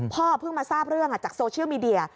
พ่อเพิ่งมาทราบเรื่องจากโซเชียลมีเดีย